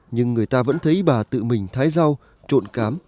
nhưng người ta vẫn thấy bà tự mình thái rau trộn cám